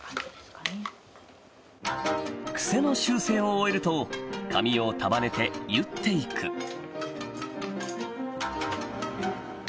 クセの修正を終えると髪を束ねて結っていくあ